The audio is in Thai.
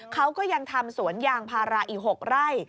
เขาก็ยังทำสวนยางพาราอีก๖ไร่